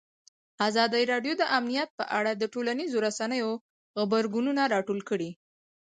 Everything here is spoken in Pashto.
ازادي راډیو د امنیت په اړه د ټولنیزو رسنیو غبرګونونه راټول کړي.